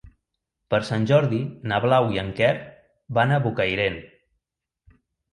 Per Sant Jordi na Blau i en Quer van a Bocairent.